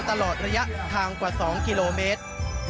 ตลอดระยะทางกว่า๒กิโลเมตร